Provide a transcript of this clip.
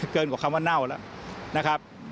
เกินกว่าคำว่าเน่าแล้วนะครับ